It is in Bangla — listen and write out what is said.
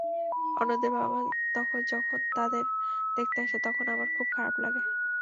অন্যদের বাবা-মা যখন তাদের দেখতে আসে তখন আমার খুব খারাপ লাগে।